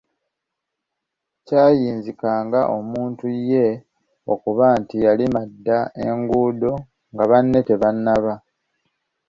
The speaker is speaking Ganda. Kyayinzikanga omuntu ye okuba nti yalima dda enguudo nga banne tebannaba.